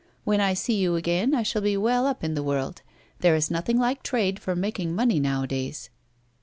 When I see you again, I shall be well up in the world; there is nothing like trade for making money, nowadays."